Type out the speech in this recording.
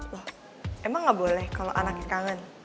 loh emang gak boleh kalau anaknya kangen